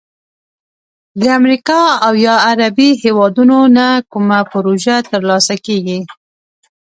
د امریکا او یا عربي هیوادونو نه کومه پروژه تر لاسه کړي،